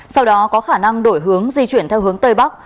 sau đó có khả năng đổi hướng di chuyển theo hướng tây bắc